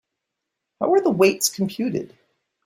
How are the weights computed?